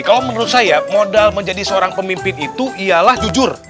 kalau menurut saya modal menjadi seorang pemimpin itu ialah jujur